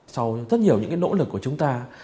sau rất nhiều những cái nỗ lực của chúng ta